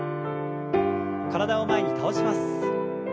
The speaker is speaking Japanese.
体を前に倒します。